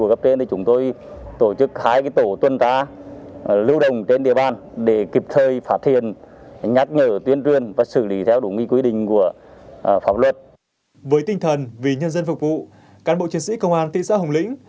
với tinh thần vì nhân dân phục vụ cán bộ chiến sĩ công an thị xã hồng lĩnh